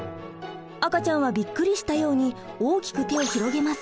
赤ちゃんはびっくりしたように大きく手を広げます。